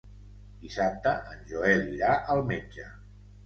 Dissabte en Joel irà al metge.